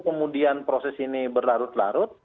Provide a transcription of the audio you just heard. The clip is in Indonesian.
kemudian proses ini berlarut larut